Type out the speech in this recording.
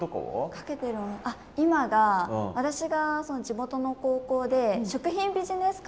今が私が地元の高校で食品・ビジネス科？